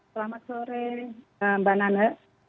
selamat sore mbak nana